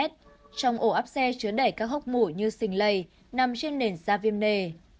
trong ổ áp xe chứa đẩy các hốc mũi như xình lầy nằm trên nền da viêm nề